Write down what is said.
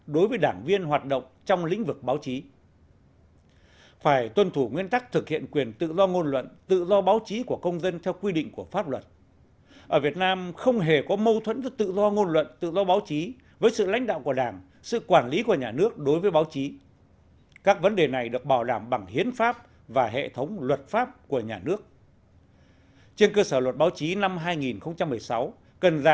hai đổi mới sự lãnh đạo của đảng sự quản lý của nhà nước đối với báo chí cần đi đôi với tăng cường